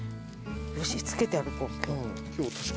よしつけて歩こう。